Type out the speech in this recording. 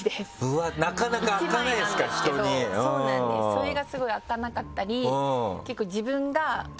それがスゴい開かなかったり。